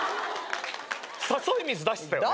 誘い水出してたよね？